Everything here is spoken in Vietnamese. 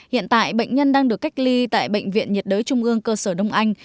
hiện tại bệnh nhân đang được cách ly tại bệnh viện nhiệt đới trung ương cơ sở đông anh